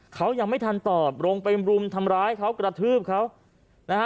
เขายังไม่ทันตอบลงไปรุมทำร้ายเขากระทืบเขานะฮะ